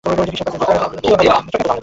কীসের বাজে জুতো?